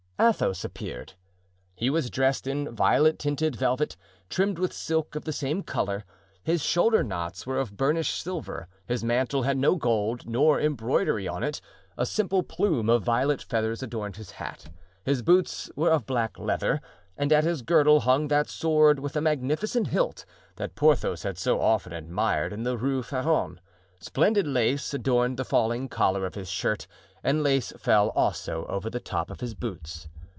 Athos appeared. He was dressed in violet tinted velvet, trimmed with silk of the same color. His shoulder knots were of burnished silver, his mantle had no gold nor embroidery on it; a simple plume of violet feathers adorned his hat; his boots were of black leather, and at his girdle hung that sword with a magnificent hilt that Porthos had so often admired in the Rue Feron. Splendid lace adorned the falling collar of his shirt, and lace fell also over the top of his boots.